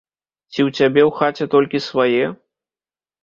Ці ў цябе ў хаце толькі свае?